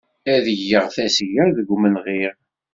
Ad yaɣ tasga deg umelɣiɣ.